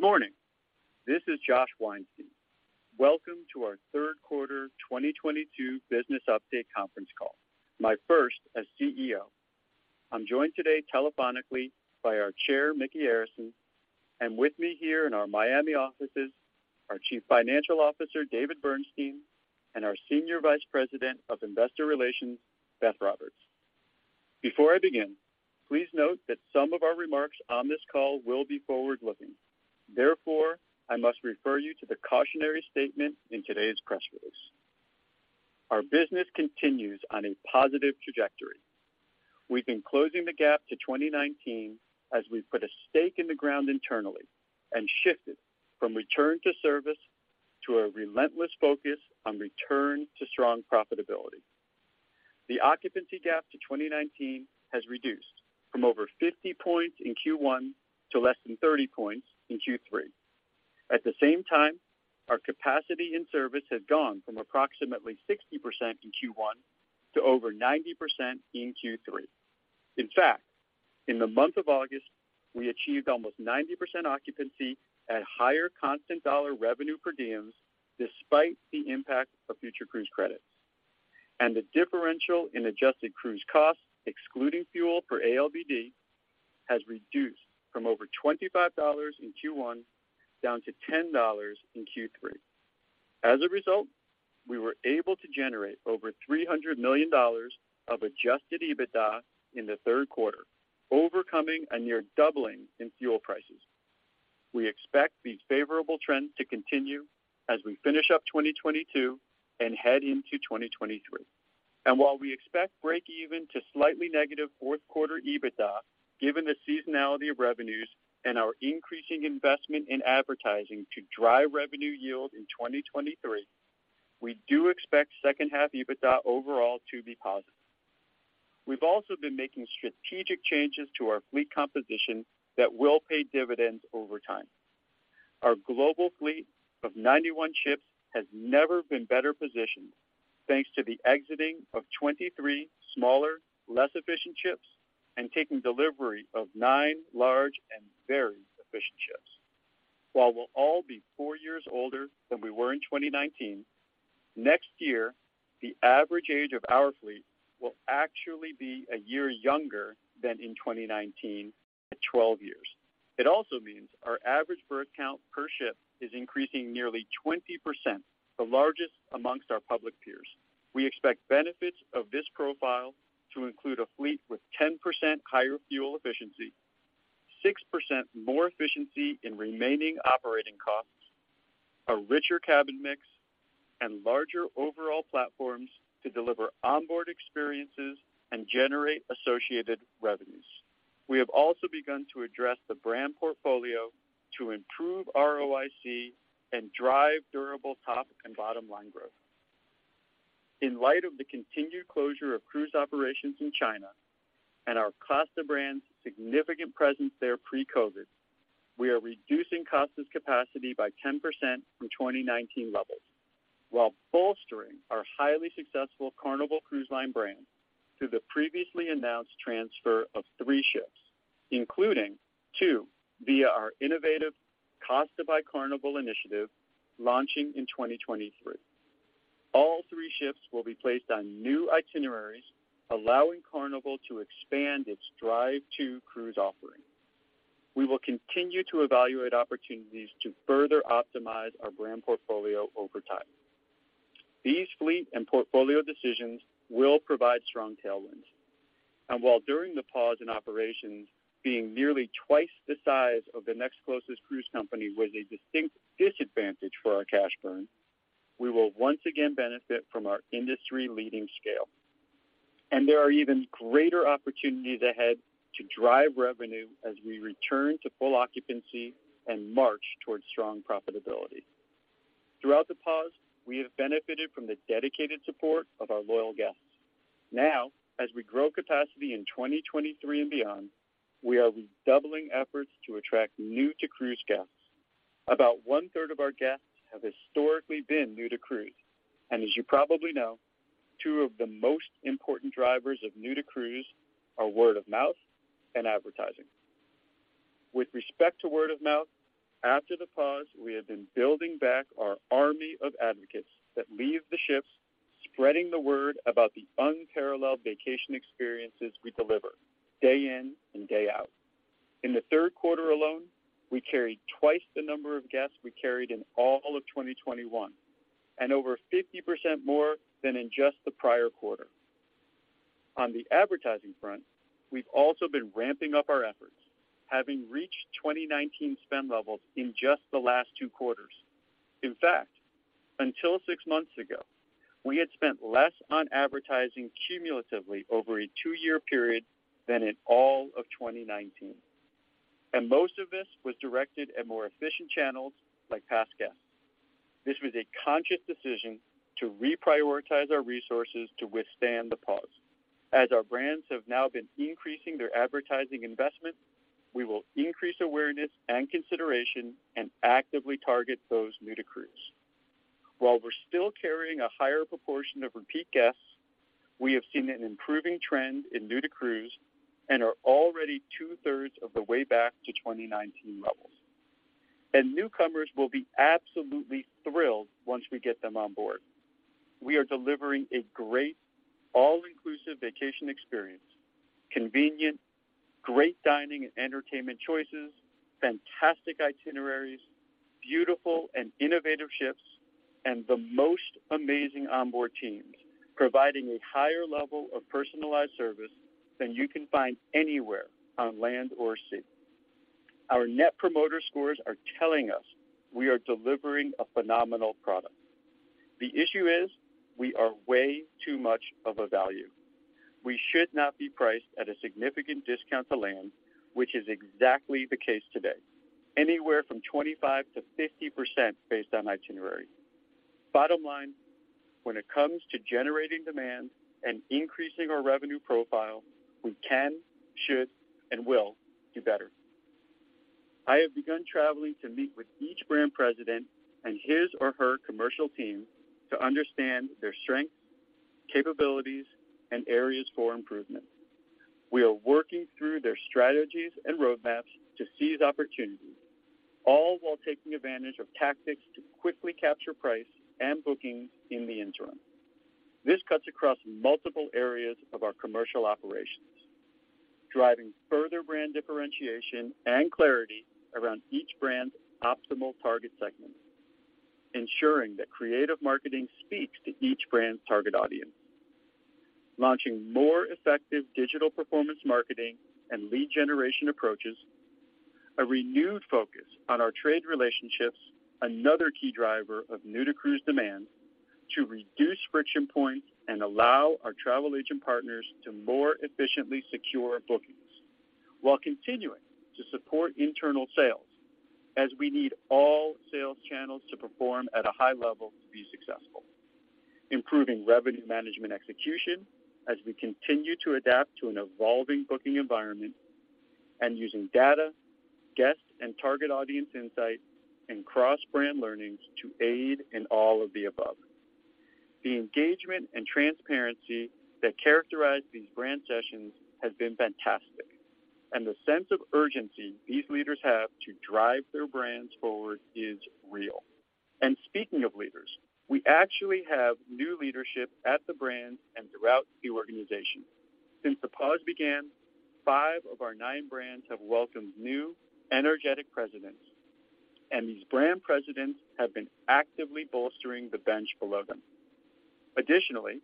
Good morning. This is Josh Weinstein. Welcome to our third quarter 2022 business update conference call, my first as CEO. I'm joined today telephonically by our Chair, Micky Arison, and with me here in our Miami offices, our Chief Financial Officer, David Bernstein, and our Senior Vice President of Investor Relations, Beth Roberts. Before I begin, please note that some of our remarks on this call will be forward-looking. Therefore, I must refer you to the cautionary statement in today's press release. Our business continues on a positive trajectory. We've been closing the gap to 2019 as we've put a stake in the ground internally and shifted from return to service to a relentless focus on return to strong profitability. The occupancy gap to 2019 has reduced from over 50 points in Q1 to less than 30 points in Q3. At the same time, our capacity in service has gone from approximately 60% in Q1 to over 90% in Q3. In fact, in the month of August, we achieved almost 90% occupancy at higher constant dollar revenue per diems despite the impact of future cruise credits. The differential in adjusted cruise costs, excluding fuel per ALBD, has reduced from over $25 in Q1 down to $10 in Q3. As a result, we were able to generate over $300 million of adjusted EBITDA in the third quarter, overcoming a near doubling in fuel prices. We expect these favorable trends to continue as we finish up 2022 and head into 2023. While we expect breakeven to slightly negative fourth quarter EBITDA, given the seasonality of revenues and our increasing investment in advertising to drive revenue yield in 2023, we do expect second half EBITDA overall to be positive. We've also been making strategic changes to our fleet composition that will pay dividends over time. Our global fleet of 91 ships has never been better positioned thanks to the exiting of 23 smaller, less efficient ships and taking delivery of nine large and very efficient ships. While we'll all be four years older than we were in 2019, next year, the average age of our fleet will actually be a year younger than in 2019 at 12 years. It also means our average berth count per ship is increasing nearly 20%, the largest among our public peers. We expect benefits of this profile to include a fleet with 10% higher fuel efficiency, 6% more efficiency in remaining operating costs, a richer cabin mix, and larger overall platforms to deliver onboard experiences and generate associated revenues. We have also begun to address the brand portfolio to improve ROIC and drive durable top and bottom line growth. In light of the continued closure of cruise operations in China and our Costa brand's significant presence there pre-COVID, we are reducing Costa's capacity by 10% from 2019 levels while bolstering our highly successful Carnival Cruise Line brand through the previously announced transfer of three ships, including two via our innovative Costa by Carnival initiative launching in 2023. All three ships will be placed on new itineraries, allowing Carnival to expand its drive to cruise offering. We will continue to evaluate opportunities to further optimize our brand portfolio over time. These fleet and portfolio decisions will provide strong tailwinds. While during the pause in operations, being nearly twice the size of the next closest cruise company was a distinct disadvantage for our cash burn, we will once again benefit from our industry-leading scale. There are even greater opportunities ahead to drive revenue as we return to full occupancy and march towards strong profitability. Throughout the pause, we have benefited from the dedicated support of our loyal guests. Now, as we grow capacity in 2023 and beyond, we are redoubling efforts to attract new to cruise guests. About 1/3 of our guests have historically been new to cruise. As you probably know, two of the most important drivers of new to cruise are word of mouth and advertising. With respect to word of mouth, after the pause, we have been building back our army of advocates that leave the ships, spreading the word about the unparalleled vacation experiences we deliver day in and day out. In the third quarter alone, we carried twice the number of guests we carried in all of 2021, and over 50% more than in just the prior quarter. On the advertising front, we've also been ramping up our efforts, having reached 2019 spend levels in just the last two quarters. In fact, until six months ago, we had spent less on advertising cumulatively over a two-year period than in all of 2019. Most of this was directed at more efficient channels like past guests. This was a conscious decision to reprioritize our resources to withstand the pause. As our brands have now been increasing their advertising investment, we will increase awareness and consideration and actively target those new to cruise. While we're still carrying a higher proportion of repeat guests, we have seen an improving trend in new-to-cruise and are already 2/3 of the way back to 2019 levels. Newcomers will be absolutely thrilled once we get them on board. We are delivering a great all-inclusive vacation experience, convenient, great dining and entertainment choices, fantastic itineraries, beautiful and innovative ships, and the most amazing onboard teams providing a higher level of personalized service than you can find anywhere on land or sea. Our net promoter scores are telling us we are delivering a phenomenal product. The issue is we are way too much of a value. We should not be priced at a significant discount to land, which is exactly the case today, anywhere from 25%-50% based on itinerary. Bottom line, when it comes to generating demand and increasing our revenue profile, we can, should, and will do better. I have begun traveling to meet with each Brand President and his or her commercial team to understand their strengths, capabilities, and areas for improvement. We are working through their strategies and roadmaps to seize opportunities, all while taking advantage of tactics to quickly capture price and bookings in the interim. This cuts across multiple areas of our commercial operations, driving further brand differentiation and clarity around each brand's optimal target segment, ensuring that creative marketing speaks to each brand's target audience, launching more effective digital performance marketing and lead generation approaches, a renewed focus on our trade relationships, another key driver of new-to-cruise demand to reduce friction points and allow our travel agent partners to more efficiently secure bookings while continuing to support internal sales as we need all sales channels to perform at a high level to be successful. Improving revenue management execution as we continue to adapt to an evolving booking environment and using data, guests, and target audience insights and cross-brand learnings to aid in all of the above. The engagement and transparency that characterize these brand sessions has been fantastic, and the sense of urgency these leaders have to drive their brands forward is real. Speaking of leaders, we actually have new leadership at the brand and throughout the organization. Since the pause began, five of our nine brands have welcomed new, energetic presidents, and these brand presidents have been actively bolstering the bench below them. Additionally,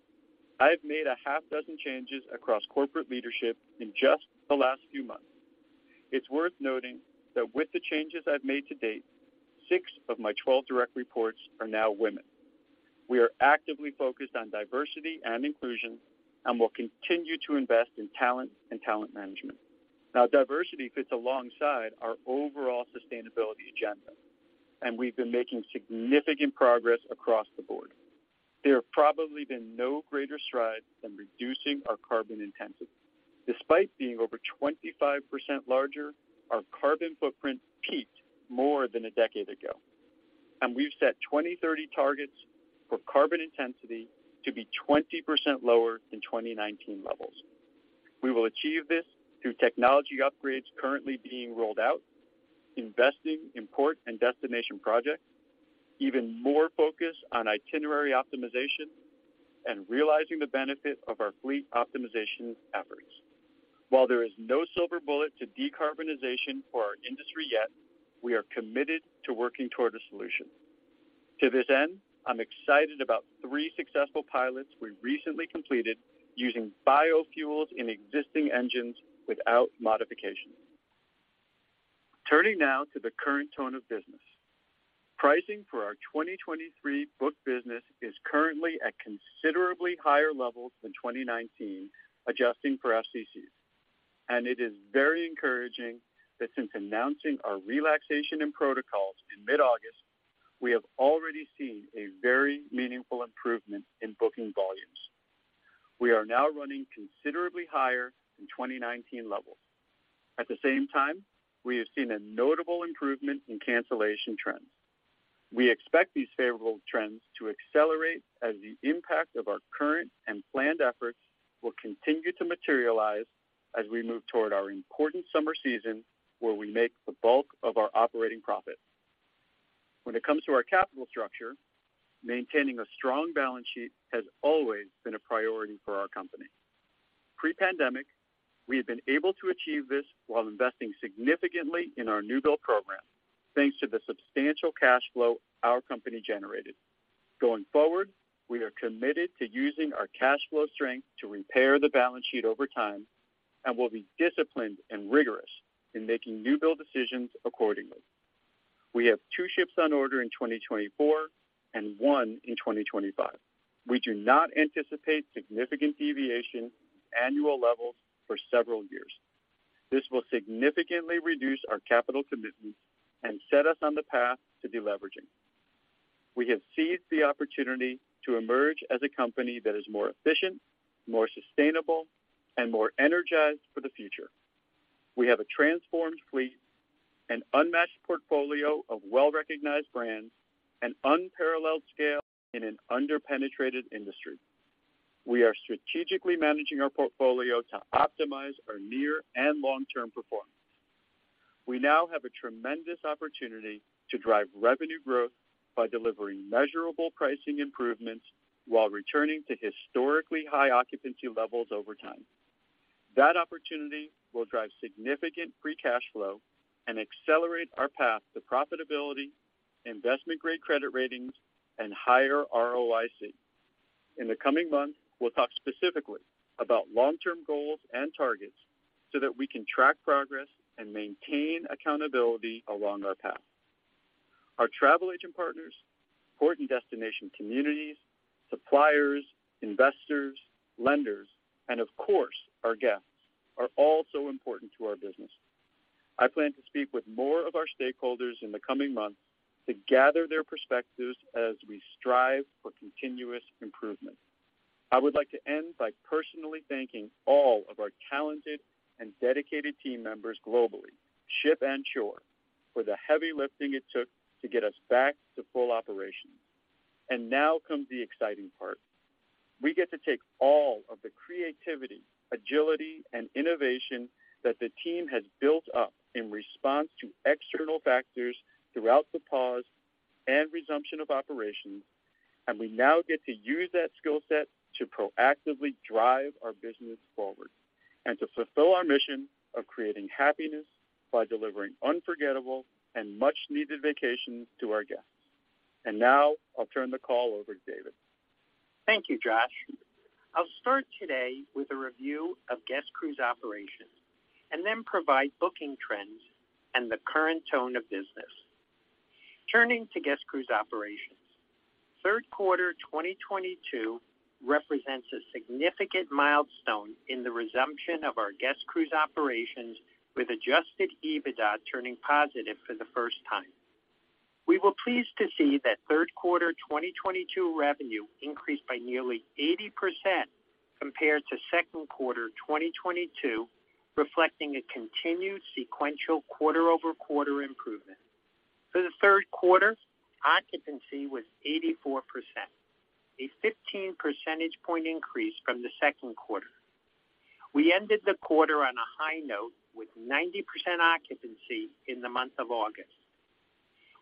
I've made a half dozen changes across corporate leadership in just the last few months. It's worth noting that with the changes I've made to date, six of my 12 direct reports are now women. We are actively focused on diversity and inclusion and will continue to invest in talent and talent management. Now diversity fits alongside our overall sustainability agenda, and we've been making significant progress across the board. There have probably been no greater strides than reducing our carbon intensity. Despite being over 25% larger, our carbon footprint peaked more than a decade ago, and we've set 2030 targets for carbon intensity to be 20% lower than 2019 levels. We will achieve this through technology upgrades currently being rolled out, investing in port and destination projects, even more focus on itinerary optimization, and realizing the benefit of our fleet optimization efforts. While there is no silver bullet to decarbonization for our industry yet, we are committed to working toward a solution. To this end, I'm excited about three successful pilots we recently completed using biofuels in existing engines without modification. Turning now to the current tone of business. Pricing for our 2023 booked business is currently at considerably higher levels than 2019, adjusting for FCCs. It is very encouraging that since announcing our relaxation in protocols in mid-August, we have already seen a very meaningful improvement in booking volumes. We are now running considerably higher than 2019 levels. At the same time, we have seen a notable improvement in cancellation trends. We expect these favorable trends to accelerate as the impact of our current and planned efforts will continue to materialize as we move toward our important summer season where we make the bulk of our operating profit. When it comes to our capital structure, maintaining a strong balance sheet has always been a priority for our company. Pre-pandemic, we had been able to achieve this while investing significantly in our new-build program, thanks to the substantial cash flow our company generated. Going forward, we are committed to using our cash flow strength to repair the balance sheet over time and will be disciplined and rigorous in making new-build decisions accordingly. We have two ships on order in 2024 and one in 2025. We do not anticipate significant deviation in annual levels for several years. This will significantly reduce our capital commitments and set us on the path to deleveraging. We have seized the opportunity to emerge as a company that is more efficient, more sustainable, and more energized for the future. We have a transformed fleet, an unmatched portfolio of well-recognized brands, and unparalleled scale in an under-penetrated industry. We are strategically managing our portfolio to optimize our near and long-term performance. We now have a tremendous opportunity to drive revenue growth by delivering measurable pricing improvements while returning to historically high occupancy levels over time. That opportunity will drive significant free cash flow and accelerate our path to profitability, investment-grade credit ratings, and higher ROIC. In the coming months, we'll talk specifically about long-term goals and targets so that we can track progress and maintain accountability along our path. Our travel agent partners, port and destination communities, suppliers, investors, lenders, and of course, our guests, are all so important to our business. I plan to speak with more of our stakeholders in the coming months to gather their perspectives as we strive for continuous improvement. I would like to end by personally thanking all of our talented and dedicated team members globally, ship and shore, for the heavy lifting it took to get us back to full operation. Now comes the exciting part. We get to take all of the creativity, agility, and innovation that the team has built up in response to external factors throughout the pause and resumption of operations, and we now get to use that skill set to proactively drive our business forward and to fulfill our mission of creating happiness by delivering unforgettable and much-needed vacations to our guests. Now I'll turn the call over to David. Thank you, Josh. I'll start today with a review of guest cruise operations and then provide booking trends and the current tone of business. Turning to guest cruise operations, third quarter 2022 represents a significant milestone in the resumption of our guest cruise operations, with adjusted EBITDA turning positive for the first time. We were pleased to see that third quarter 2022 revenue increased by nearly 80% compared to second quarter 2022, reflecting a continued sequential quarter-over-quarter improvement. For the third quarter, occupancy was 84%, a 15 percentage point increase from the second quarter. We ended the quarter on a high note with 90% occupancy in the month of August.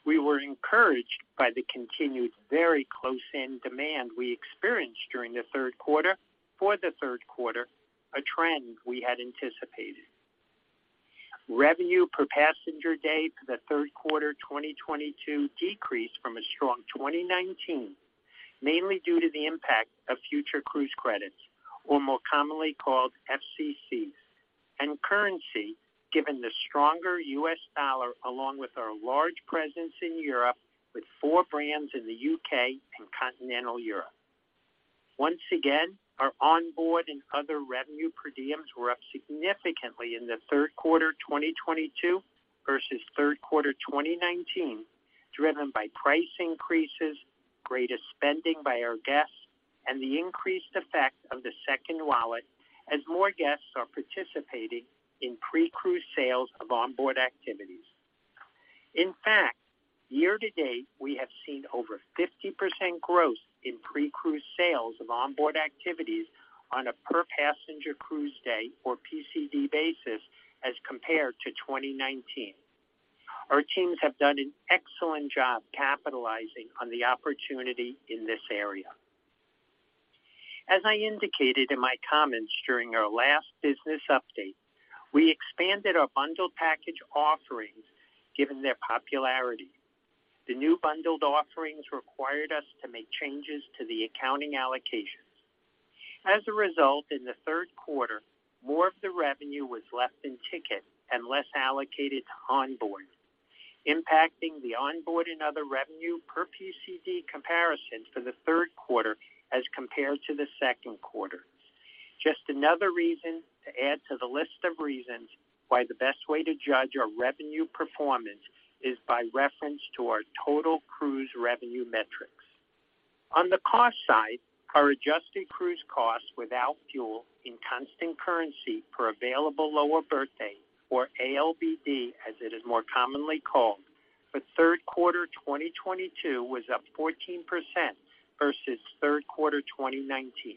We were encouraged by the continued very close-in demand we experienced during the third quarter for the third quarter, a trend we had anticipated. Revenue per passenger day for the third quarter 2022 decreased from a strong 2019, mainly due to the impact of future cruise credits, or more commonly called FCCs, and currency, given the stronger US dollar along with our large presence in Europe with four brands in the U.K. and continental Europe. Once again, our onboard and other revenue per diems were up significantly in the third quarter 2022 versus third quarter 2019, driven by price increases, greater spending by our guests, and the increased effect of the second wallet as more guests are participating in pre-cruise sales of onboard activities. In fact, year-to-date, we have seen over 50% growth in pre-cruise sales of onboard activities on a per passenger cruise day, or PCD basis, as compared to 2019. Our teams have done an excellent job capitalizing on the opportunity in this area. As I indicated in my comments during our last business update, we expanded our bundled package offerings given their popularity. The new bundled offerings required us to make changes to the accounting allocations. As a result, in the third quarter, more of the revenue was ticket and less allocated to onboard, impacting the onboard and other revenue per PCD comparisons for the third quarter as compared to the second quarter. Just another reason to add to the list of reasons why the best way to judge our revenue performance is by reference to our total cruise revenue metrics. On the cost side, our adjusted cruise costs without fuel in constant currency per available lower berth day, or ALBD as it is more commonly called, for third quarter 2022 was up 14% versus third quarter 2019.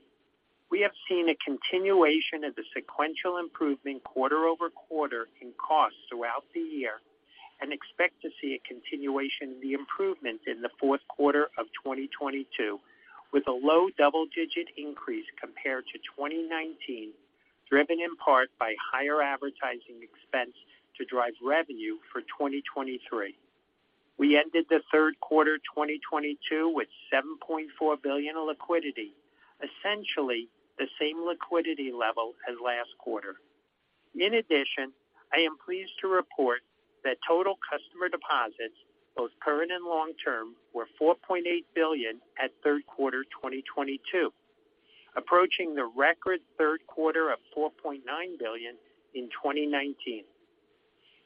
We have seen a continuation of the sequential improvement quarter over quarter in costs throughout the year and expect to see a continuation of the improvement in the fourth quarter of 2022 with a low double-digit increase compared to 2019, driven in part by higher advertising expense to drive revenue for 2023. We ended the third quarter 2022 with $7.4 billion in liquidity, essentially the same liquidity level as last quarter. In addition, I am pleased to report that total customer deposits, both current and long-term, were $4.8 billion at third quarter 2022, approaching the record third quarter of $4.9 billion in 2019.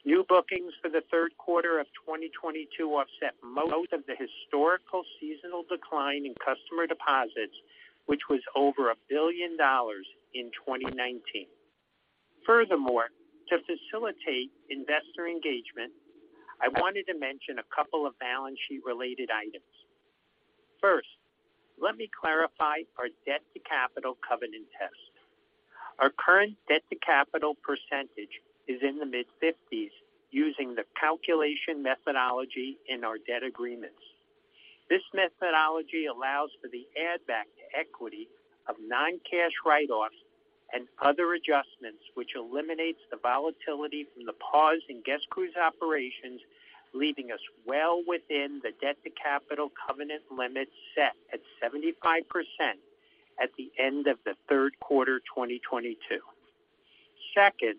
New bookings for the third quarter of 2022 offset most of the historical seasonal decline in customer deposits, which was over $1 billion in 2019. Furthermore, to facilitate investor engagement, I wanted to mention a couple of balance sheet related items. First, let me clarify our debt to capital covenant test. Our current debt to capital percentage is in the mid-50s using the calculation methodology in our debt agreements. This methodology allows for the add back to equity of non-cash write-offs and other adjustments, which eliminates the volatility from the pause in guest cruise operations, leaving us well within the debt to capital covenant limit set at 75% at the end of the third quarter 2022. Second,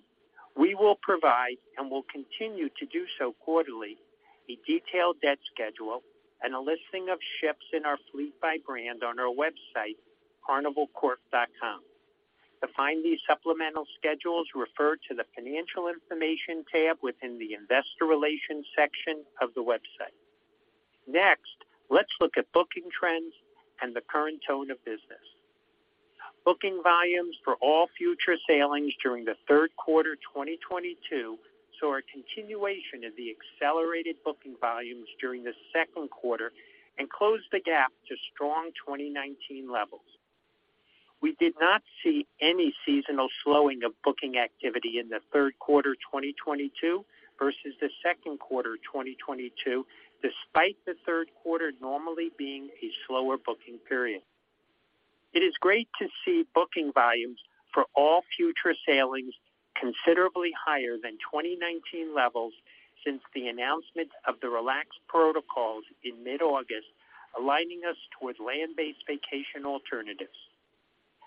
we will provide, and we'll continue to do so quarterly, a detailed debt schedule and a listing of ships in our fleet by brand on our website carnivalcorp.com. To find these supplemental schedules, refer to the Financial Information tab within the Investor Relations section of the website. Next, let's look at booking trends and the current tone of business. Booking volumes for all future sailings during the third quarter 2022 saw a continuation of the accelerated booking volumes during the second quarter 2022 and closed the gap to strong 2019 levels. We did not see any seasonal slowing of booking activity in the third quarter 2022 versus the second quarter 2022, despite the third quarter normally being a slower booking period. It is great to see booking volumes for all future sailings considerably higher than 2019 levels since the announcement of the relaxed protocols in mid-August, aligning us toward land-based vacation alternatives.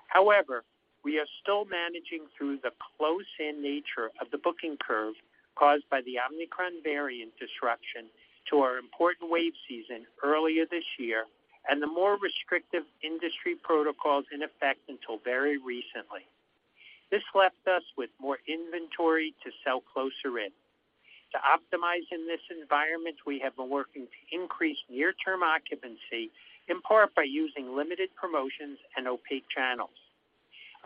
However, we are still managing through the close-in nature of the booking curve caused by the omicron variant disruption to our important wave season earlier this year and the more restrictive industry protocols in effect until very recently. This left us with more inventory to sell closer in. To optimize in this environment, we have been working to increase near-term occupancy, in part by using limited promotions and opaque channels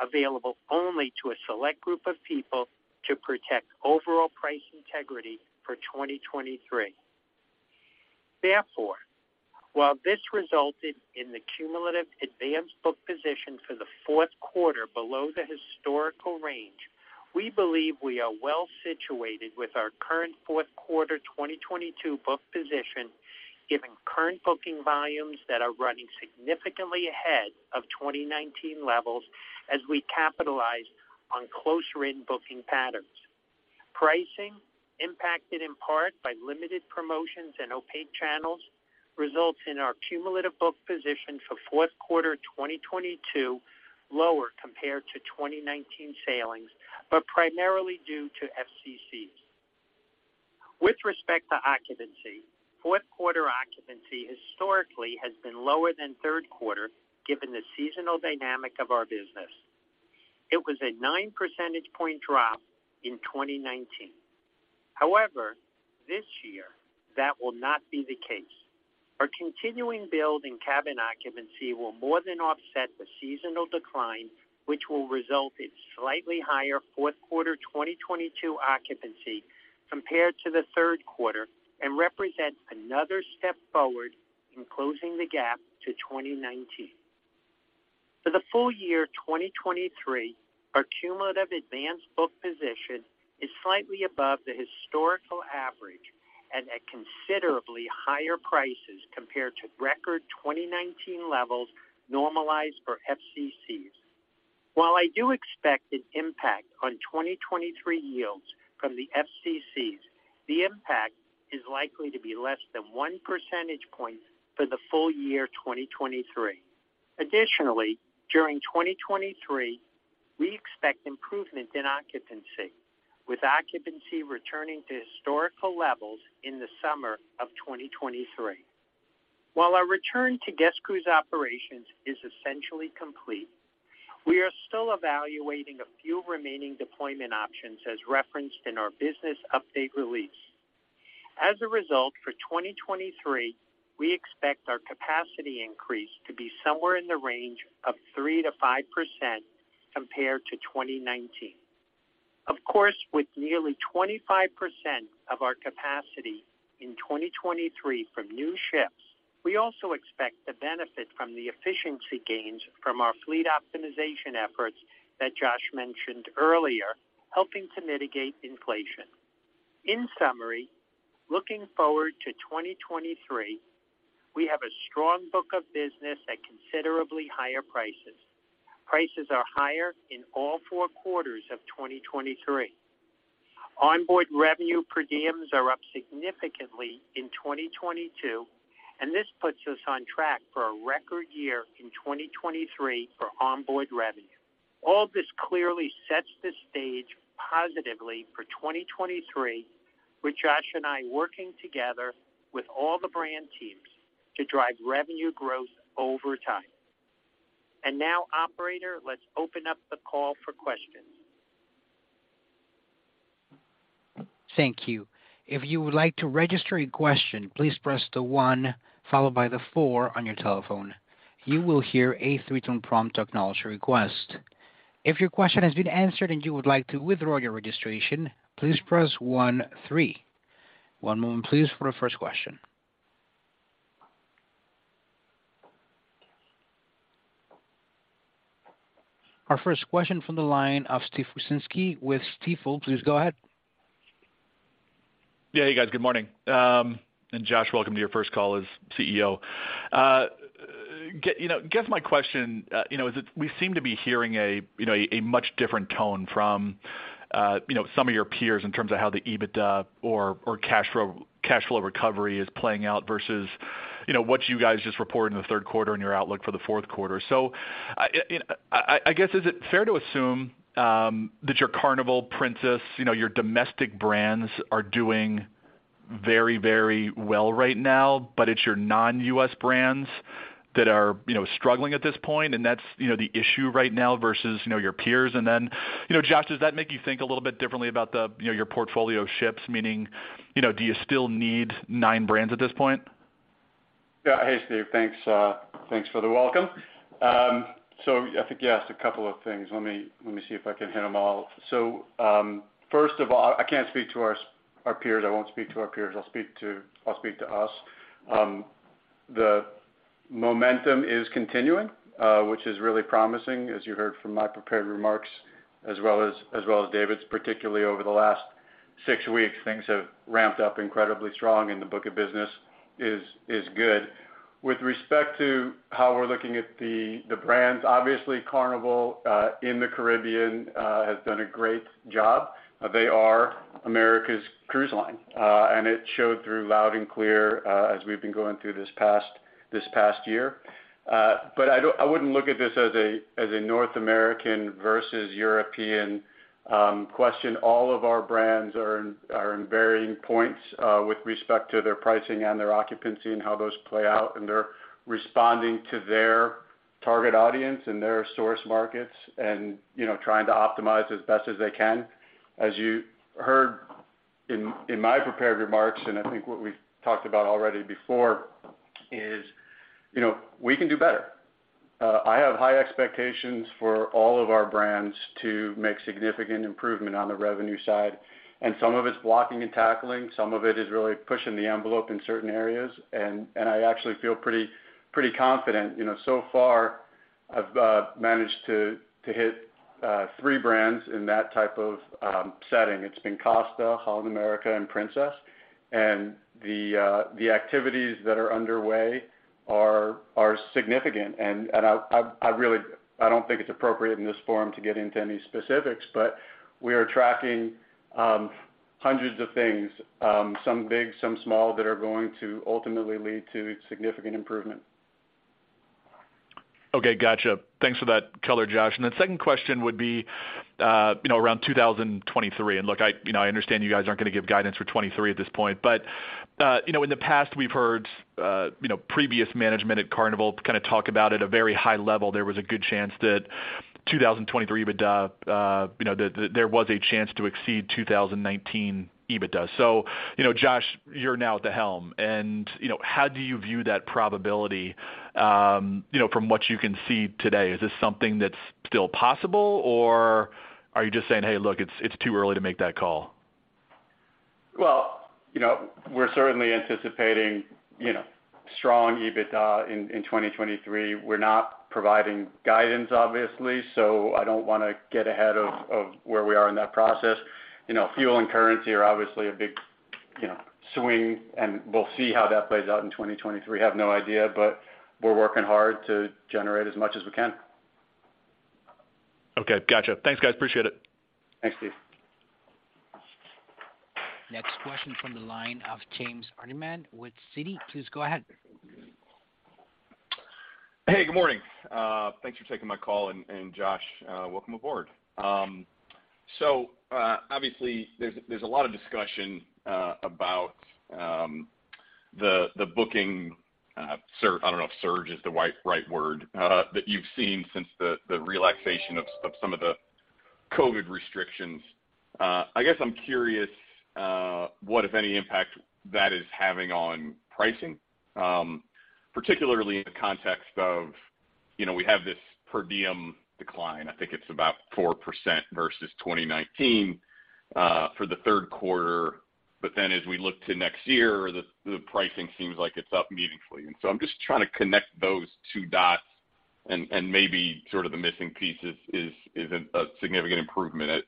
available only to a select group of people to protect overall price integrity for 2023. Therefore, while this resulted in the cumulative advanced book position for the fourth quarter below the historical range, we believe we are well situated with our current fourth-quarter 2022 book position, given current booking volumes that are running significantly ahead of 2019 levels as we capitalize on closer in booking patterns. Pricing impacted in part by limited promotions and opaque channels results in our cumulative book position for fourth quarter 2022 lower compared to 2019 sailings, but primarily due to FCCs. With respect to occupancy, fourth quarter occupancy historically has been lower than third quarter given the seasonal dynamic of our business. It was a 9 percentage point drop in 2019. However, this year that will not be the case. Our continuing build in cabin occupancy will more than offset the seasonal decline, which will result in slightly higher fourth-quarter 2022 occupancy compared to the third quarter and represent another step forward in closing the gap to 2019. For the full year 2023, our cumulative advanced book position is slightly above the historical average and at considerably higher prices compared to record 2019 levels normalized for FCCs. While I do expect an impact on 2023 yields from the FCCs, the impact is likely to be less than 1 percentage point for the full year 2023. Additionally, during 2023, we expect improvement in occupancy, with occupancy returning to historical levels in the summer of 2023. While our return to guest cruise operations is essentially complete, we are still evaluating a few remaining deployment options as referenced in our business update release. As a result, for 2023, we expect our capacity increase to be somewhere in the range of 3%-5% compared to 2019. Of course, with nearly 25% of our capacity in 2023 from new ships, we also expect to benefit from the efficiency gains from our fleet optimization efforts that Josh mentioned earlier, helping to mitigate inflation. In summary, looking forward to 2023, we have a strong book of business at considerably higher prices. Prices are higher in all four quarters of 2023. Onboard revenue per diems are up significantly in 2022, and this puts us on track for a record year in 2023 for onboard revenue. All this clearly sets the stage positively for 2023, with Josh and I working together with all the brand teams to drive revenue growth over time. Now operator, let's open up the call for questions. Thank you. If you would like to register a question, please press the one followed by the four on your telephone. You will hear a three-tone prompt to acknowledge your request. If your question has been answered and you would like to withdraw your registration, please press one-three. One moment please for the first question. Our first question from the line of Steven Wieczynski with Stifel. Please go ahead. Yeah, hey guys, good morning. Josh, welcome to your first call as CEO. You know, guess my question, you know, is it we seem to be hearing, you know, a much different tone from, you know, some of your peers in terms of how the EBITDA or cash flow recovery is playing out versus, you know, what you guys just reported in the third quarter and your outlook for the fourth quarter. I guess, is it fair to assume that your Carnival, Princess, you know, your domestic brands are doing very, very well right now, but it's your non-S brands that are, you know, struggling at this point, and that's, you know, the issue right now versus, you know, your peers? you know, Josh, does that make you think a little bit differently about the, you know, your portfolio ships? Meaning, you know, do you still need nine brands at this point? Yeah. Hey, Steve. Thanks for the welcome. I think you asked a couple of things. Let me see if I can hit them all. First of all, I can't speak to our peers. I won't speak to our peers. I'll speak to us. The momentum is continuing, which is really promising, as you heard from my prepared remarks as well as David's. Particularly over the last six weeks, things have ramped up incredibly strong, and the book of business is good. With respect to how we're looking at the brands, obviously Carnival in the Caribbean has done a great job. They are America's cruise line, and it showed through loud and clear, as we've been going through this past year. I wouldn't look at this as a North American versus European question. All of our brands are in varying points with respect to their pricing and their occupancy and how those play out, and they're responding to their target audience and their source markets and, you know, trying to optimize as best as they can. As you heard in my prepared remarks, and I think what we've talked about already before is, you know, we can do better. I have high expectations for all of our brands to make significant improvement on the revenue side, and some of it's blocking and tackling. Some of it is really pushing the envelope in certain areas. I actually feel pretty confident. You know, so far I've managed to hit three brands in that type of setting. It's been Costa, Holland America and Princess. The activities that are underway are significant. I really don't think it's appropriate in this forum to get into any specifics, but we are tracking hundreds of things, some big, some small, that are going to ultimately lead to significant improvement. Okay. Gotcha. Thanks for that color, Josh. Second question would be, you know, around 2023. Look, you know, I understand you guys aren't gonna give guidance for 2023 at this point. In the past we've heard, you know, previous management at Carnival kind of talk about at a very high level, there was a good chance that 2023 EBITDA, you know, there was a chance to exceed 2019 EBITDA. Josh, you're now at the HELM and, you know, how do you view that probability? You know, from what you can see today, is this something that's still possible, or are you just saying, "Hey, look, it's too early to make that call? Well, you know, we're certainly anticipating, you know, strong EBITDA in 2023. We're not providing guidance, obviously, so I don't wanna get ahead of where we are in that process. You know, fuel and currency are obviously a big, you know, swing, and we'll see how that plays out in 2023. Have no idea, but we're working hard to generate as much as we can. Okay. Gotcha. Thanks, guys. Appreciate it. Thanks, Steve. Next question from the line of James Hardiman with Citi. Please go ahead. Hey, good morning. Thanks for taking my call. Josh, welcome aboard. So, obviously there's a lot of discussion about the booking surge. I don't know if surge is the right word that you've seen since the relaxation of some of the COVID restrictions. I guess I'm curious what, if any, impact that is having on pricing, particularly in the context of, you know, we have this per diem decline. I think it's about 4% versus 2019 for the third quarter. Then as we look to next year, the pricing seems like it's up meaningfully. I'm just trying to connect those two dots and maybe sort of the missing piece is a significant improvement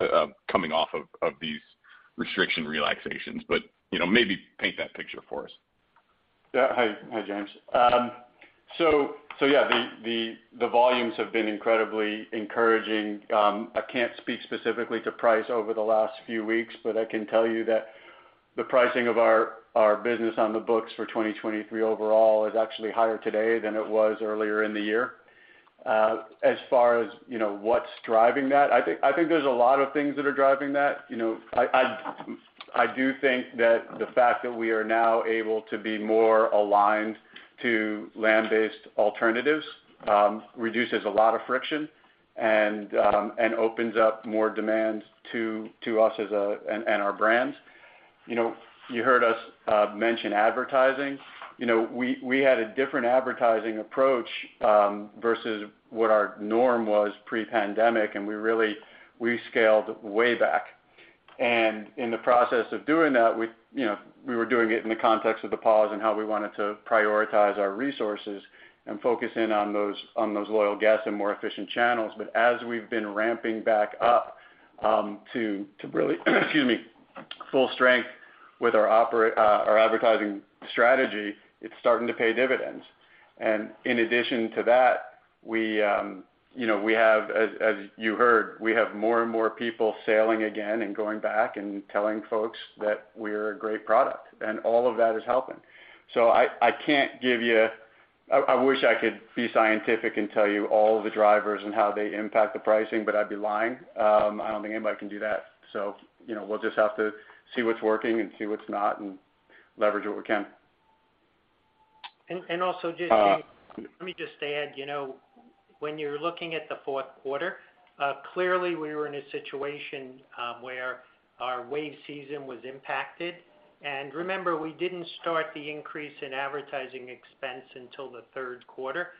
coming off of these restriction relaxations. You know, maybe paint that picture for us. Yeah. Hi, James. Yeah, the volumes have been incredibly encouraging. I can't speak specifically to price over the last few weeks, but I can tell you that the pricing of our business on the books for 2023 overall is actually higher today than it was earlier in the year. As far as, you know, what's driving that, I think there's a lot of things that are driving that. You know, I do think that the fact that we are now able to be more aligned to land-based alternatives reduces a lot of friction. It opens up more demand to us and our brands. You know, you heard us mention advertising. You know, we had a different advertising approach versus what our norm was pre-pandemic, and we really, we scaled way back. In the process of doing that we, you know, we were doing it in the context of the pause and how we wanted to prioritize our resources and focus in on those loyal guests and more efficient channels. As we've been ramping back up, to really excuse me, full strength with our advertising strategy, it's starting to pay dividends. In addition to that, we, you know, we have, as you heard, we have more and more people sailing again and going back and telling folks that we're a great product. All of that is helping. I can't give you... I wish I could be scientific and tell you all the drivers and how they impact the pricing, but I'd be lying. I don't think anybody can do that. you know, we'll just have to see what's working and see what's not and leverage what we can. And, and also just- Uh. Let me just add, you know, when you're looking at the fourth quarter, clearly we were in a situation, where our wave season was impacted. Remember, we didn't start the increase in advertising expense until the third quarter,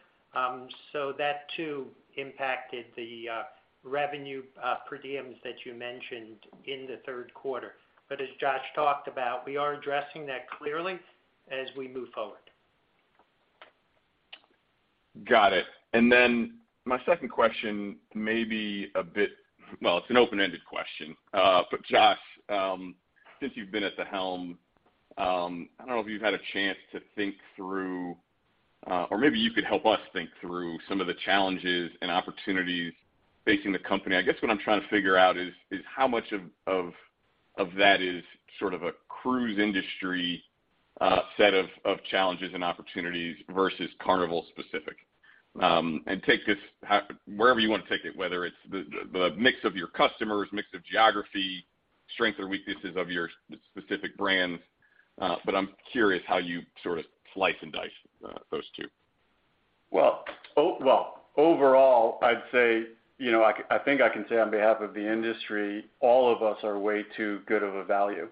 so that too impacted the, revenue, per diems that you mentioned in the third quarter. As Josh talked about, we are addressing that clearly as we move forward. Got it. My second question may be a bit, well, it's an open-ended question. Josh, since you've been at the HELM, I don't know if you've had a chance to think through, or maybe you could help us think through some of the challenges and opportunities facing the company? I guess what I'm trying to figure out is how much of that is sort of a cruise industry set of challenges and opportunities versus Carnival specific? Take this wherever you want to take it, whether it's the mix of your customers, mix of geography, strength or weaknesses of your specific brands. I'm curious how you sort of slice and dice those two. Well, overall, I'd say, you know, I think I can say on behalf of the industry, all of us are way too good of a value,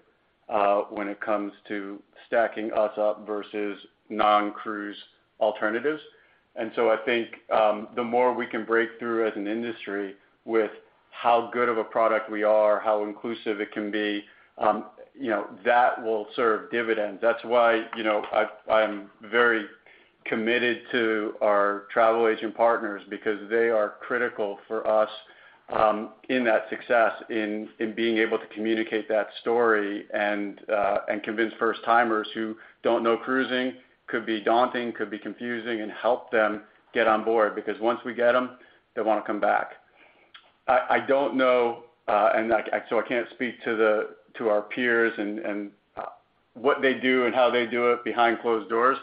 when it comes to stacking us up versus non-cruise alternatives. I think, the more we can break through as an industry with how good of a product we are, how inclusive it can be, you know, that will serve dividends. That's why, you know, I'm very committed to our travel agent partners because they are critical for us, in that success in being able to communicate that story and convince first-timers who don't know cruising, could be daunting, could be confusing, and help them get on board. Because once we get them, they wanna come back. I don't know, I can't speak to our peers and what they do and how they do it behind closed doors.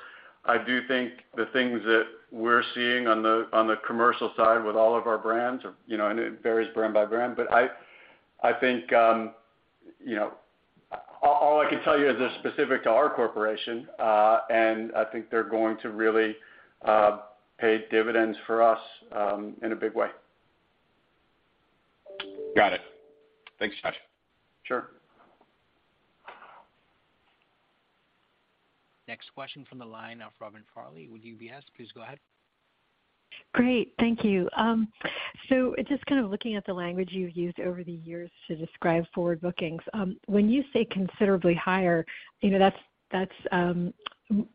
I do think the things that we're seeing on the commercial side with all of our brands are, you know, and it varies brand by brand. I think, you know, all I can tell you is they're specific to our corporation, and I think they're going to really pay dividends for us in a big way. Got it. Thanks, Josh. Sure. Next question from the line of Robin Farley with UBS. Please go ahead. Great. Thank you. Just kind of looking at the language you've used over the years to describe forward bookings, when you say considerably higher, you know, that's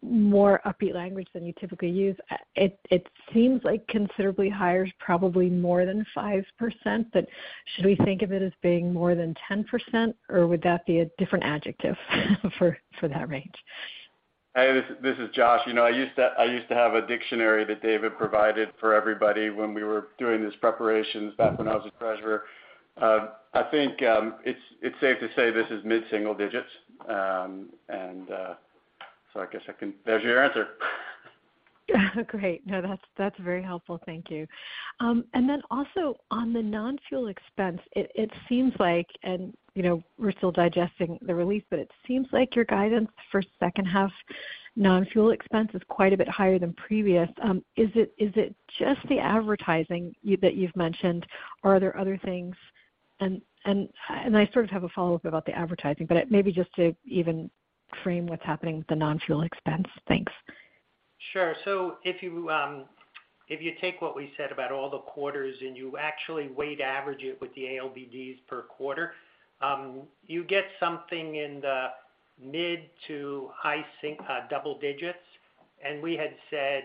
more upbeat language than you typically use. It seems like considerably higher is probably more than 5%, but should we think of it as being more than 10%, or would that be a different adjective for that range? Hey, this is Josh. You know, I used to have a dictionary that David provided for everybody when we were doing these preparations back when I was a treasurer. I think it's safe to say this is mid-single digits. There's your answer. Great. No, that's very helpful. Thank you. Then also on the non-fuel expense, it seems like, and, you know, we're still digesting the release, but it seems like your guidance for second half non-fuel expense is quite a bit higher than previous. Is it just the advertising that you've mentioned, or are there other things? I sort of have a follow-up about the advertising, but maybe just to even frame what's happening with the non-fuel expense. Thanks. Sure. If you take what we said about all the quarters and you actually weighted average it with the ALBDs per quarter, you get something in the mid- to high double digits. We had said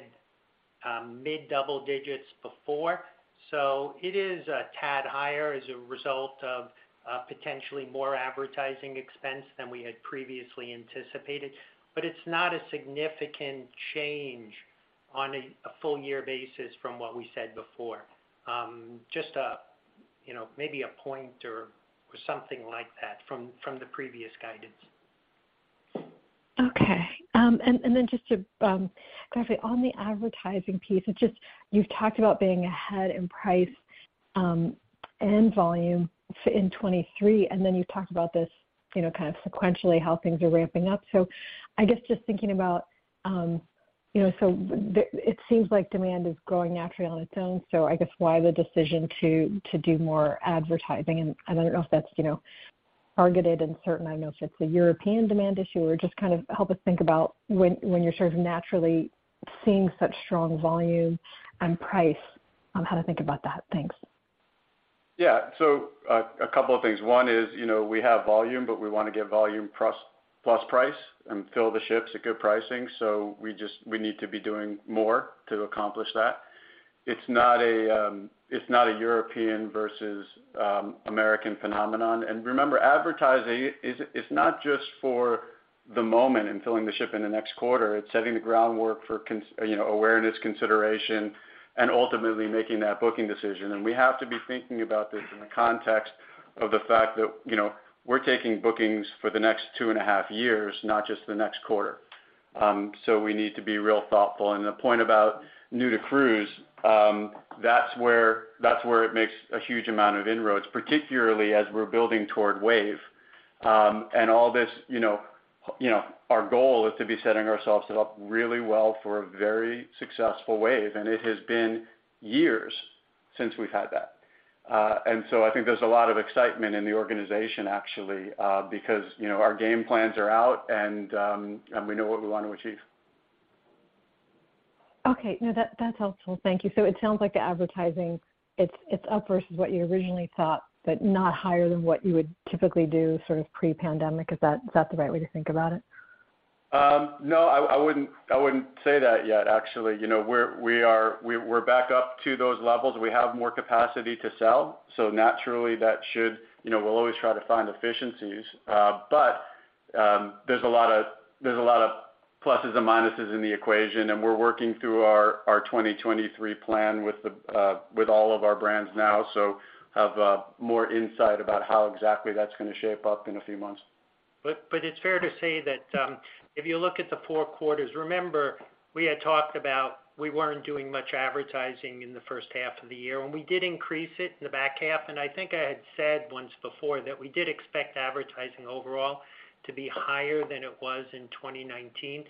mid double digits before. It is a tad higher as a result of potentially more advertising expense than we had previously anticipated. It's not a significant change on a full year basis from what we said before. You know, maybe a point or something like that from the previous guidance. Okay. Just to clarify on the advertising piece, it's just, you've talked about being ahead in price and volume in 2023, and then you've talked about this, you know, kind of sequentially how things are ramping up. I guess just thinking about, you know, it seems like demand is growing naturally on its own, so I guess why the decision to do more advertising? I don't know if that's, you know, a European demand issue or just kind of help us think about when you're sort of naturally seeing such strong volume and price and how to think about that. Thanks. A couple of things. One is, you know, we have volume, but we wanna get volume plus price and fill the ships at good pricing. We need to be doing more to accomplish that. It's not a European versus American phenomenon. Remember, advertising is not just for the moment and filling the ship in the next quarter, it's setting the groundwork for you know, awareness, consideration, and ultimately making that booking decision. We have to be thinking about this in the context of the fact that, you know, we're taking bookings for the next two and a half years, not just the next quarter. We need to be real thoughtful. The point about new to cruise, that's where it makes a huge amount of inroads, particularly as we're building toward wave. All this, you know, our goal is to be setting ourselves up really well for a very successful wave, and it has been years since we've had that. I think there's a lot of excitement in the organization actually, because, you know, our game plans are out and we know what we want to achieve. Okay. No. That, that's helpful. Thank you. It sounds like the advertising, it's up versus what you originally thought, but not higher than what you would typically do sort of pre-pandemic. Is that the right way to think about it? No, I wouldn't say that yet, actually. You know, we're back up to those levels. We have more capacity to sell. Naturally that should, you know, we'll always try to find efficiencies. But there's a lot of pluses and minuses in the equation, and we're working through our 2023 plan with all of our brands now. We'll have more insight about how exactly that's gonna shape up in a few months. It's fair to say that if you look at the four quarters, remember we had talked about we weren't doing much advertising in the first half of the year. We did increase it in the back half. I think I had said once before that we did expect advertising overall to be higher than it was in 2019.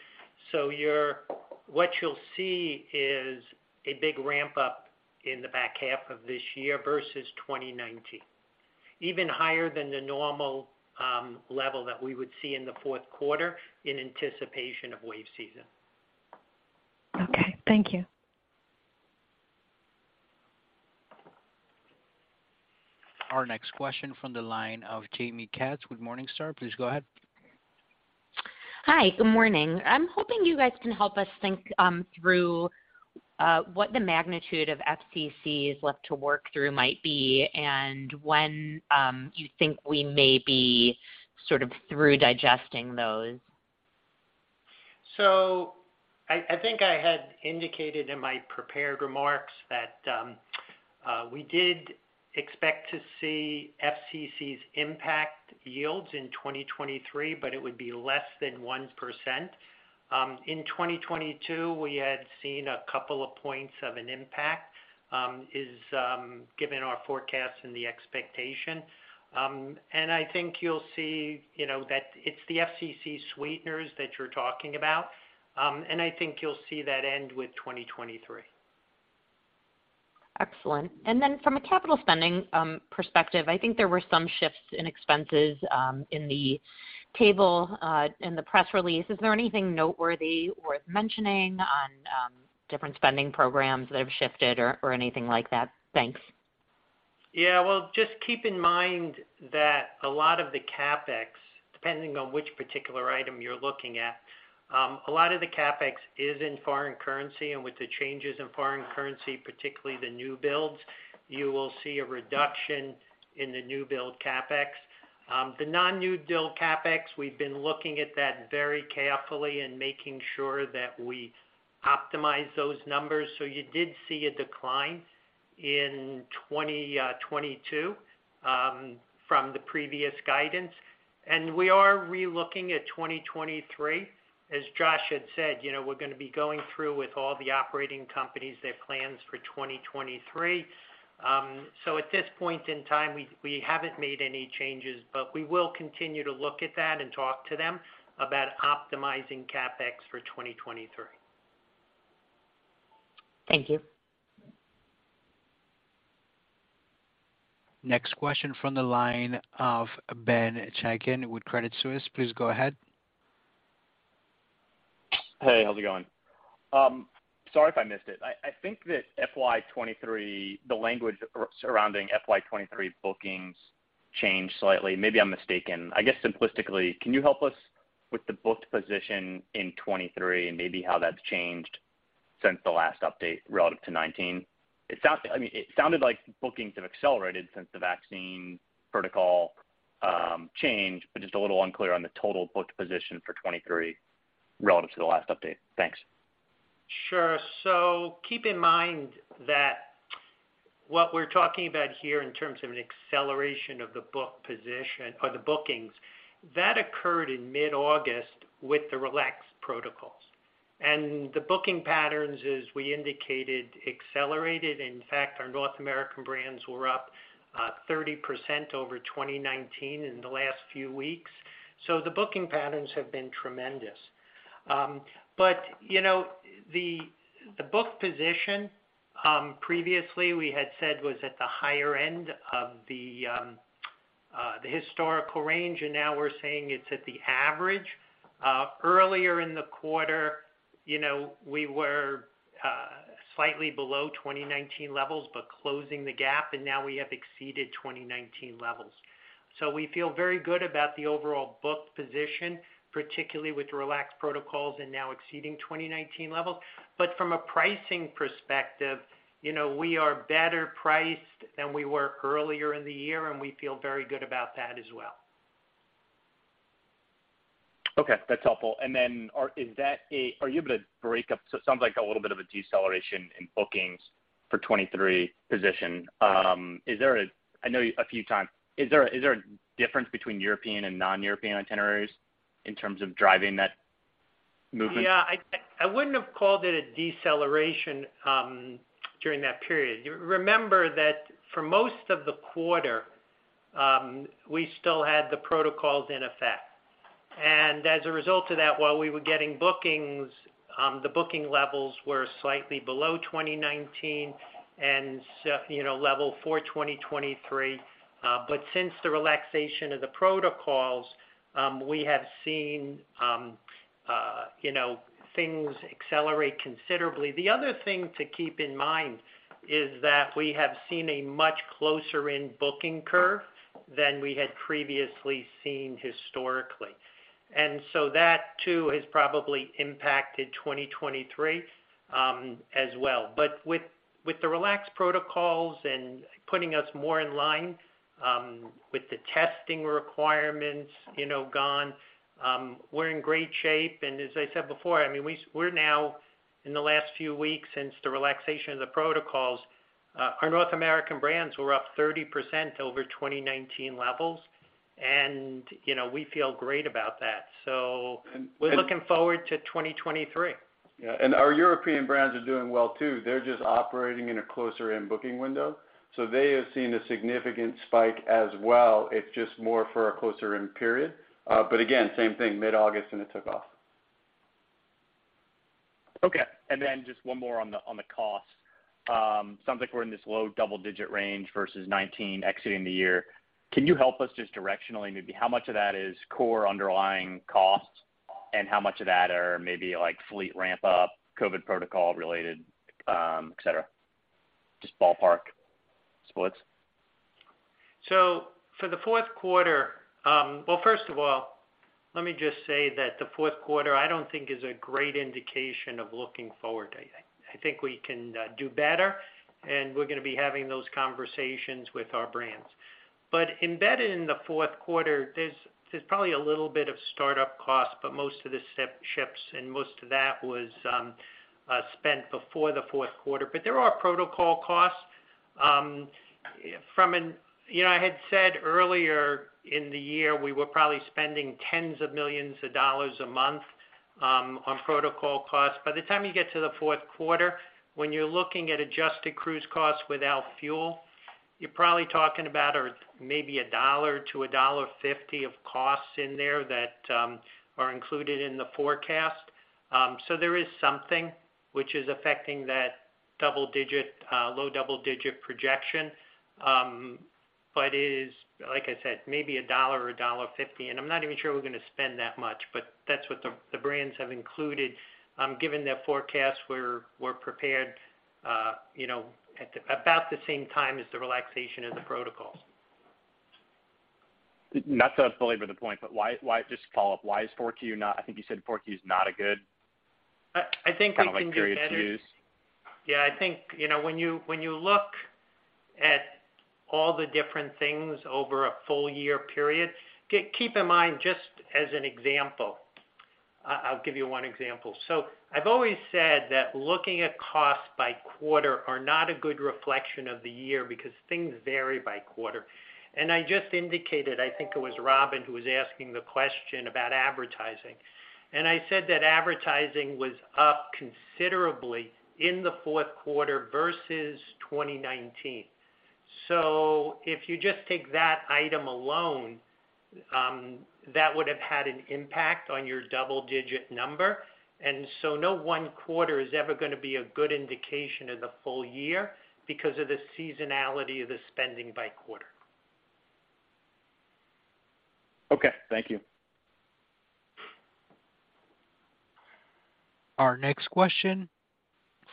What you'll see is a big ramp up in the back half of this year versus 2019. Even higher than the normal level that we would see in the fourth quarter in anticipation of wave season. Okay. Thank you. Our next question from the line of Jaime Katz with Morningstar. Please go ahead. Hi. Good morning. I'm hoping you guys can help us think through what the magnitude of FCCs left to work through might be and when you think we may be sort of through digesting those. I think I had indicated in my prepared remarks that we did expect to see FCCs impact yields in 2023, but it would be less than 1%. In 2022, we had seen a couple of points of an impact, given our forecast and the expectation. I think you'll see, you know, that it's the FCC sweeteners that you're talking about. I think you'll see that end with 2023. Excellent. From a capital spending perspective, I think there were some shifts in expenses in the table in the press release. Is there anything noteworthy worth mentioning on different spending programs that have shifted or anything like that? Thanks. Yeah. Well, just keep in mind that a lot of the CapEx, depending on which particular item you're looking at, a lot of the CapEx is in foreign currency, and with the changes in foreign currency, particularly the new builds, you will see a reduction in the newbuild CapEx. The non-newbuild CapEx, we've been looking at that very carefully and making sure that we optimize those numbers. You did see a decline in 2022 from the previous guidance, and we are relooking at 2023. As Josh had said, you know, we're gonna be going through with all the operating companies, their plans for 2023. At this point in time, we haven't made any changes, but we will continue to look at that and talk to them about optimizing CapEx for 2023. Thank you. Next question from the line of Ben Chaiken with Credit Suisse. Please go ahead. Hey, how's it going? Sorry if I missed it. I think that FY 2023, the language surrounding FY 2023 bookings changed slightly. Maybe I'm mistaken. I guess simplistically, can you help us with the booked position in 2023 and maybe how that's changed since the last update relative to 2019? I mean, it sounded like bookings have accelerated since the vaccine protocol changed, but just a little unclear on the total booked position for 2023 relative to the last update. Thanks. Keep in mind that what we're talking about here in terms of an acceleration of the book position or the bookings, that occurred in mid-August with the relaxed protocols. The booking patterns, as we indicated, accelerated. In fact, our North American brands were up 30% over 2019 in the last few weeks. The booking patterns have been tremendous. But you know the book position previously we had said was at the higher end of the historical range, and now we're saying it's at the average. Earlier in the quarter, you know, we were slightly below 2019 levels but closing the gap, and now we have exceeded 2019 levels. We feel very good about the overall book position, particularly with relaxed protocols and now exceeding 2019 levels. From a pricing perspective, you know, we are better priced than we were earlier in the year, and we feel very good about that as well. Okay, that's helpful. Are you able to break out so it sounds like a little bit of a deceleration in bookings for 2023 position. Is there a difference between European and non-European itineraries in terms of driving that movement? Yeah, I wouldn't have called it a deceleration during that period. You remember that for most of the quarter, we still had the protocols in effect. As a result of that, while we were getting bookings, the booking levels were slightly below 2019 and, you know, level for 2023. But since the relaxation of the protocols, we have seen, you know, things accelerate considerably. The other thing to keep in mind is that we have seen a much closer in booking curve than we had previously seen historically. That too has probably impacted 2023, as well. But with the relaxed protocols and putting us more in line with the testing requirements, you know, gone, we're in great shape. As I said before, I mean, we're now in the last few weeks since the relaxation of the protocols, our North American brands were up 30% over 2019 levels. You know, we feel great about that. We're looking forward to 2023. Yeah. Our European brands are doing well too. They're just operating in a closer end booking window. They have seen a significant spike as well. It's just more for a closer end period. Again, same thing, mid-August and it took off. Okay. Just one more on the cost. Sounds like we're in this low double-digit range versus 2019 exiting the year. Can you help us just directionally, maybe how much of that is core underlying costs and how much of that are maybe like fleet ramp up, COVID protocol related, etc.? Just ballpark splits. For the fourth quarter, first of all, let me just say that the fourth quarter I don't think is a great indication of looking forward. I think we can do better, and we're gonna be having those conversations with our brands. Embedded in the fourth quarter, there's probably a little bit of startup costs, but most of the ships and most of that was spent before the fourth quarter. There are protocol costs. You know, I had said earlier in the year, we were probably spending of tens of millions of dollars a month on protocol costs. By the time you get to the fourth quarter, when you're looking at adjusted cruise costs without fuel, you're probably talking about or maybe $1-$1.50 of costs in there that are included in the forecast. So there is something which is affecting that double-digit, low double-digit projection. But it is, like I said, maybe $1 or $1.50. I'm not even sure we're gonna spend that much, but that's what the brands have included, given their forecasts we're prepared, you know, about the same time as the relaxation of the protocols. Not to belabor the point, but why? Just follow up. I think you said 4Q is not a good- I think we can do better. Kinda like period to use. Yeah. I think, when you look at all the different things over a full year period, keep in mind just as an example. I'll give you one example. I've always said that looking at costs by quarter are not a good reflection of the year because things vary by quarter. I just indicated, I think it was Robin who was asking the question about advertising. I said that advertising was up considerably in the fourth quarter versus 2019. If you just take that item alone, that would have had an impact on your double-digit number. No one quarter is ever gonna be a good indication of the full year because of the seasonality of the spending by quarter. Okay, thank you. Our next question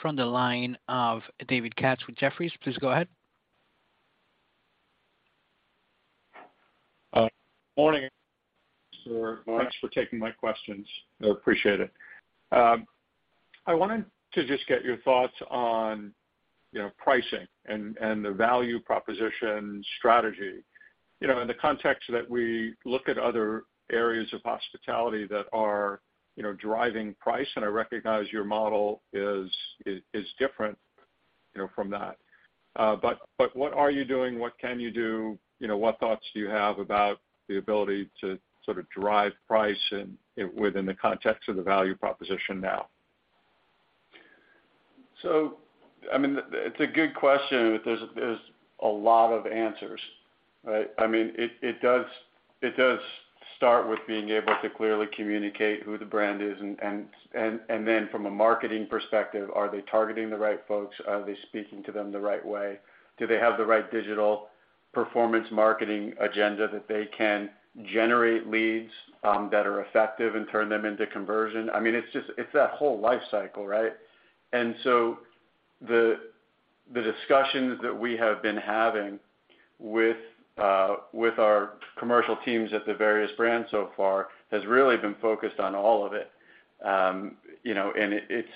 from the line of David Katz with Jefferies. Please go ahead. Morning. Thanks for taking my questions. I appreciate it. I wanted to just get your thoughts on, you know, pricing and the value proposition strategy. You know, in the context that we look at other areas of hospitality that are, you know, driving price, and I recognize your model is different, you know, from that. But what are you doing? What can you do? You know, what thoughts do you have about the ability to sort of drive price in, within the context of the value proposition now? I mean, it's a good question. There's a lot of answers, right? I mean, it does start with being able to clearly communicate who the brand is. Then from a marketing perspective, are they targeting the right folks? Are they speaking to them the right way? Do they have the right digital performance marketing agenda that they can generate leads that are effective and turn them into conversion? I mean, it's just that whole life cycle, right? The discussions that we have been having with our commercial teams at the various brands so far has really been focused on all of it. You know, it's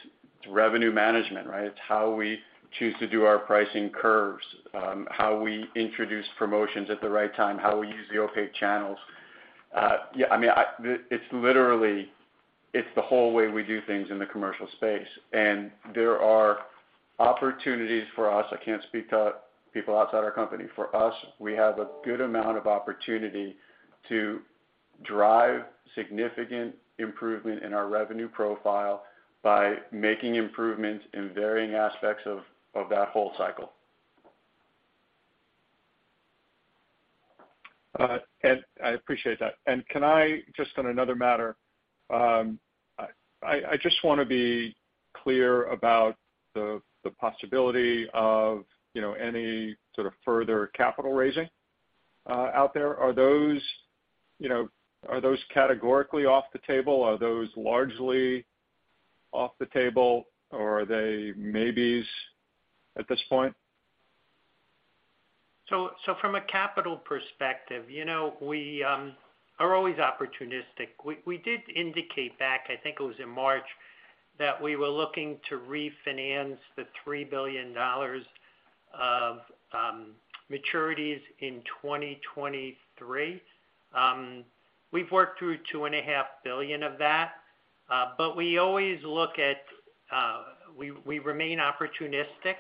revenue management, right? It's how we choose to do our pricing curves, how we introduce promotions at the right time, how we use the opaque channels. I mean, it's literally the whole way we do things in the commercial space. There are opportunities for us, I can't speak to people outside our company. For us, we have a good amount of opportunity to drive significant improvement in our revenue profile by making improvements in varying aspects of that whole cycle. I appreciate that. Can I just on another matter, I just wanna be clear about the possibility of, you know, any sort of further capital raising out there. Are those, you know, are those categorically off the table? Are those largely off the table or are they maybes at this point? From a capital perspective, you know, we are always opportunistic. We did indicate back, I think it was in March, that we were looking to refinance the $3 billion of maturities in 2023. We've worked through $2.5 billion of that, but we always remain opportunistic.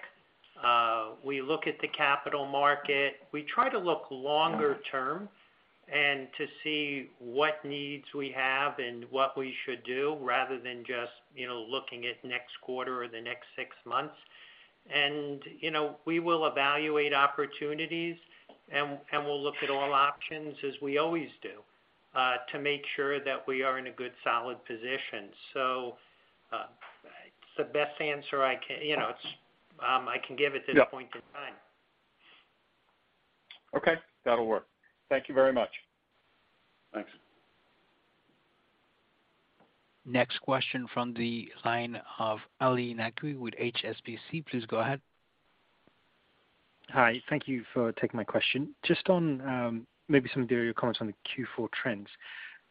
We look at the capital market. We try to look longer term and to see what needs we have and what we should do rather than just, you know, looking at next quarter or the next six months. You know, we will evaluate opportunities and we'll look at all options as we always do to make sure that we are in a good, solid position. It's the best answer I can, you know, give at this point in time. Yeah. Okay, that'll work. Thank you very much. Thanks. Next question from the line of Ali Naqvi with HSBC. Please go ahead. Hi. Thank you for taking my question. Just on, maybe some of your comments on the Q4 trends.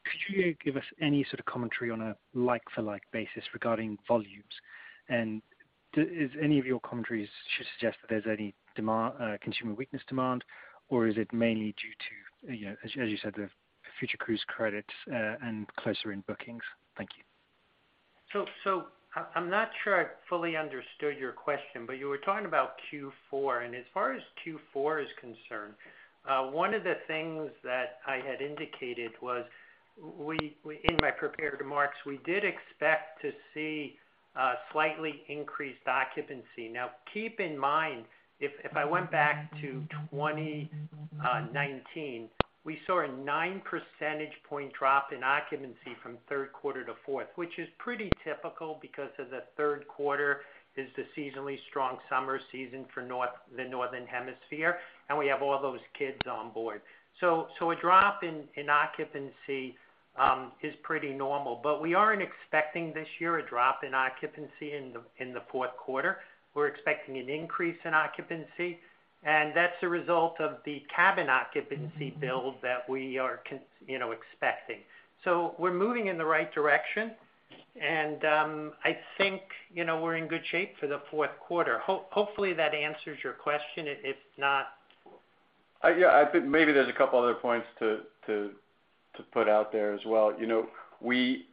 Could you give us any sort of commentary on a like for like basis regarding volumes? Does any of your commentary suggest that there's any consumer demand weakness, or is it mainly due to, you know, as you said, the future cruise credits, and closer in bookings? Thank you. I'm not sure I fully understood your question, but you were talking about Q4. As far as Q4 is concerned, one of the things that I had indicated was, in my prepared remarks, we did expect to see a slightly increased occupancy. Now keep in mind, if I went back to 2019, we saw a 9 percentage point drop in occupancy from third quarter to fourth, which is pretty typical because the third quarter is the seasonally strong summer season for the Northern Hemisphere, and we have all those kids on board. A drop in occupancy is pretty normal, but we aren't expecting this year a drop in occupancy in the fourth quarter. We're expecting an increase in occupancy, and that's a result of the cabin occupancy build that we are, you know, expecting. We're moving in the right direction, and I think, you know, we're in good shape for the fourth quarter. Hopefully, that answers your question. If not. Yeah. I think maybe there's a couple other points to put out there as well. You know, we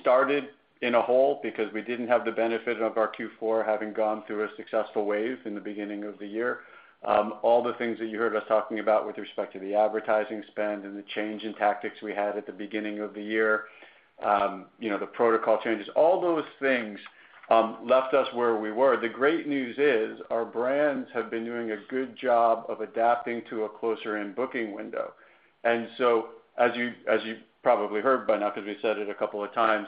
started in a hole because we didn't have the benefit of our Q4 having gone through a successful wave in the beginning of the year. All the things that you heard us talking about with respect to the advertising spend and the change in tactics we had at the beginning of the year, you know, the protocol changes, all those things left us where we were. The great news is our brands have been doing a good job of adapting to a closer end booking window. As you probably heard by now, because we said it a couple of times,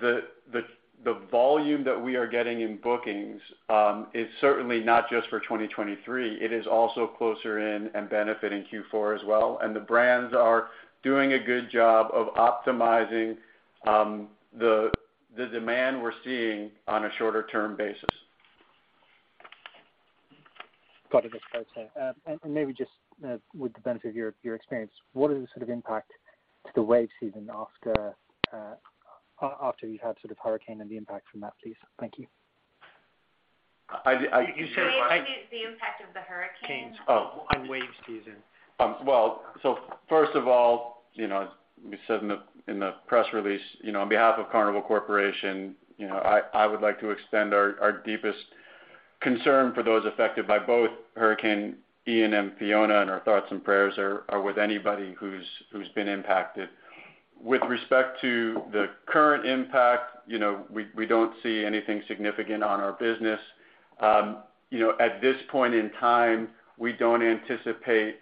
the volume that we are getting in bookings is certainly not just for 2023. It is also closer in and benefiting Q4 as well. The brands are doing a good job of optimizing the demand we're seeing on a shorter term basis. Got it. That's great. Maybe just, with the benefit of your experience, what are the sort of impact to the wave season after you had sort of hurricane and the impact from that, please? Thank you. I- You said what? The impact of the hurricane. Oh. On wave season. Well, first of all, you know, as we said in the press release, you know, on behalf of Carnival Corporation, you know, I would like to extend our deepest concern for those affected by both Hurricane Ian and Fiona, and our thoughts and prayers are with anybody who's been impacted. With respect to the current impact, you know, we don't see anything significant on our business. You know, at this point in time, we don't anticipate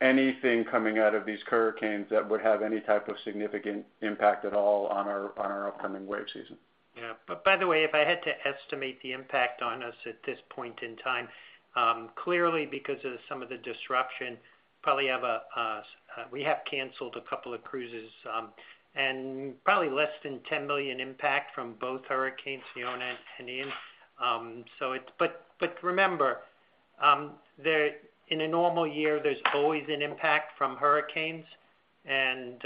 anything coming out of these hurricanes that would have any type of significant impact at all on our upcoming wave season. Yeah. By the way, if I had to estimate the impact on us at this point in time, clearly because of some of the disruption, we have canceled a couple of cruises, and probably less than $10 million impact from both Hurricane Fiona and Ian. Remember, in a normal year, there's always an impact from hurricanes and,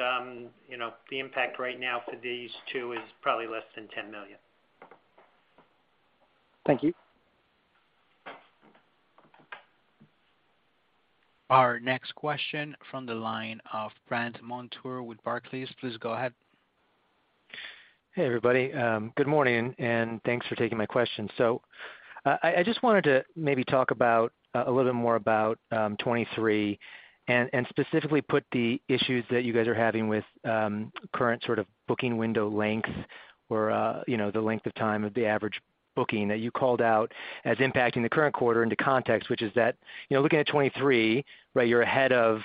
you know, the impact right now for these two is probably less than $10 million. Thank you. Our next question from the line of Brandt Montour with Barclays. Please go ahead. Hey, everybody. Good morning, and thanks for taking my question. I just wanted to maybe talk about a little more about 2023, and specifically put the issues that you guys are having with current sort of booking window length or, you know, the length of time of the average booking that you called out as impacting the current quarter into context, which is that, you know, looking at 2023, right? You're ahead of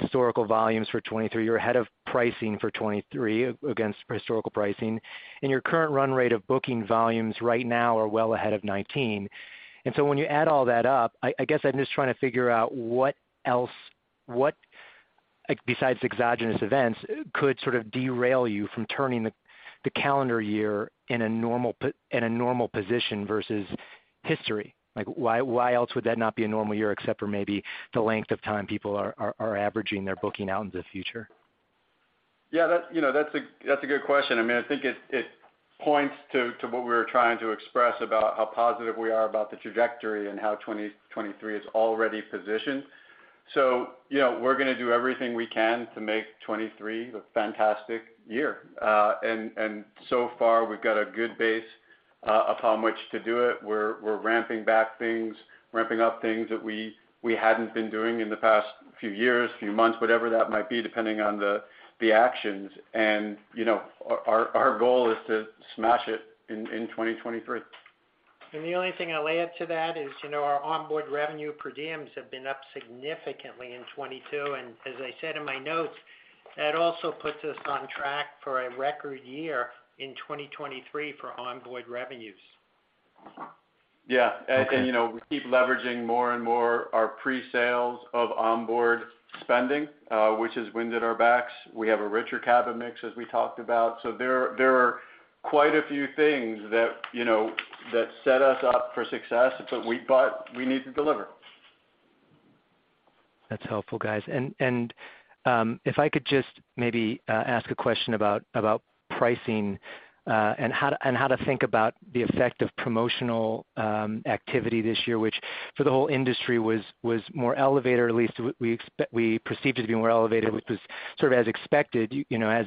historical volumes for 2023. You're ahead of pricing for 2023 against historical pricing, and your current run rate of booking volumes right now are well ahead of 2019. When you add all that up, I guess I'm just trying to figure out what else, like besides exogenous events, could sort of derail you from turning the calendar year in a normal position versus history? Like, why else would that not be a normal year except for maybe the length of time people are averaging their booking out in the future? Yeah, that, you know, that's a good question. I mean, I think it points to what we're trying to express about how positive we are about the trajectory and how 2023 is already positioned. You know, we're gonna do everything we can to make 2023 a fantastic year. So far we've got a good base upon which to do it. We're ramping back things, ramping up things that we hadn't been doing in the past few years, few months, whatever that might be, depending on the actions. You know, our goal is to smash it in 2023. The only thing I'll add to that is, you know, our onboard revenue per diems have been up significantly in 2022. As I said in my notes, that also puts us on track for a record year in 2023 for onboard revenues. Yeah. Okay. You know, we keep leveraging more and more our pre-sales of onboard spending, which has wind at our backs. We have a richer cabin mix as we talked about. There are quite a few things that, you know, that set us up for success, but we need to deliver. That's helpful, guys. If I could just maybe ask a question about pricing and how to think about the effect of promotional activity this year, which for the whole industry was more elevated, or at least we perceived to be more elevated, which was sort of as expected, you know, as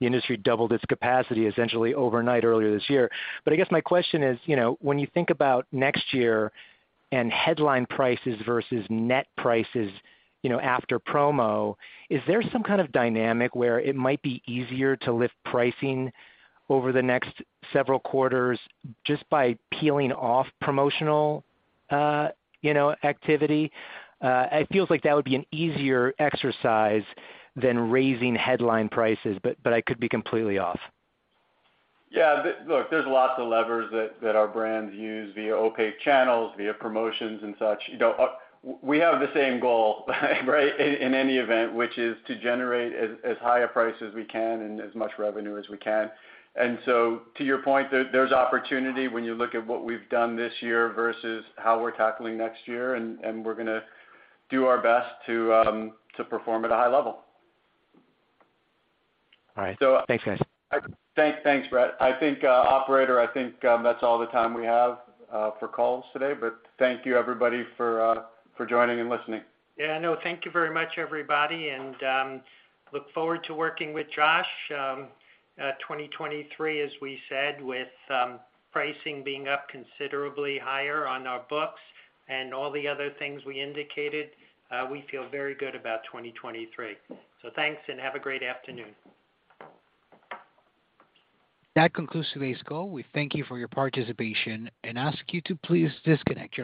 the industry doubled its capacity essentially overnight earlier this year. I guess my question is, you know, when you think about next year and headline prices versus net prices, you know, after promo, is there some kind of dynamic where it might be easier to lift pricing over the next several quarters just by peeling off promotional activity? It feels like that would be an easier exercise than raising headline prices, but I could be completely off. Yeah. Look, there's lots of levers that our brands use via opaque channels, via promotions and such. You know, we have the same goal, right? In any event, which is to generate as high a price as we can and as much revenue as we can. To your point, there's opportunity when you look at what we've done this year versus how we're tackling next year, and we're gonna do our best to perform at a high level. All right. So- Thanks, guys. Thanks, Brandt. I think, operator, I think, that's all the time we have for calls today, but thank you everybody for joining and listening. Yeah, no, thank you very much everybody, and look forward to working with Josh. 2023, as we said, with pricing being up considerably higher on our books and all the other things we indicated, we feel very good about 2023. Thanks and have a great afternoon. That concludes today's call. We thank you for your participation and ask you to please disconnect.